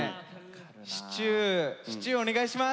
シチューシチューお願いします。